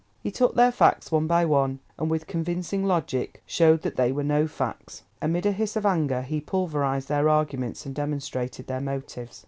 He took their facts one by one, and with convincing logic showed that they were no facts; amid a hiss of anger he pulverised their arguments and demonstrated their motives.